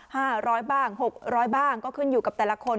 ห้าร้อยบ้างหกร้อยบ้างก็ขึ้นอยู่กับแต่ละคน